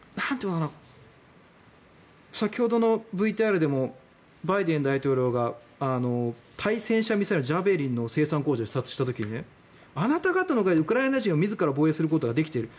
先ほどのＶＴＲでもバイデン大統領が対戦車ミサイルジャベリンの生産工場を視察した時にあなた方のおかげでウクライナ人は自ら防衛することができている。